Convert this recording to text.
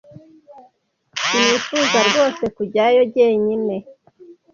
sinifuza rwose kujyayo jyenyine.